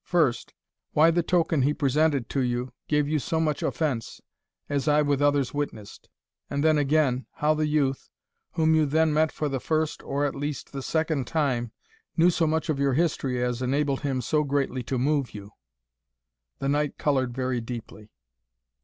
First, why the token he presented to you gave you so much offence, as I with others witnessed; and then again, how the youth, whom you then met for the first, or, at least, the second time, knew so much of your history as enabled him so greatly to move you." The knight coloured very deeply.